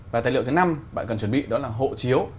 và tài liệu thứ năm bạn cần chuẩn bị đó là hộ chiếu